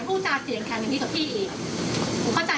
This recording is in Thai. โอเคหมาอาจจะไม่ให้เข้าได้